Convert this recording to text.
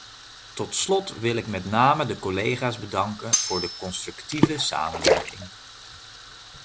Tot slot wil ik met name de collega's bedanken voor de constructieve samenwerking.